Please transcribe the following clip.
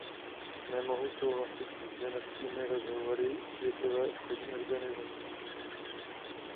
Nemohu souhlasit s ženevskými rozhovory Světové obchodní organizace.